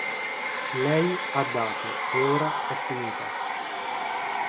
Lei ha dato e ora è finita.